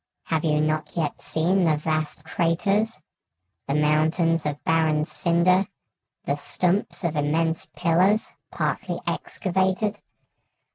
Have you not yet seen the vast craters, the mountains of barren cinder, the stumps of immense pillars, partly excavated?